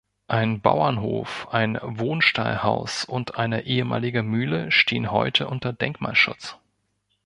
Ein Bauernhof, ein Wohnstallhaus und eine ehemalige Mühle stehen heute unter Denkmalschutz.